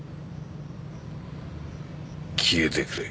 消えてくれ。